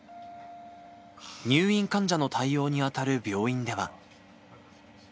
入院患者の対応に当たる病院では。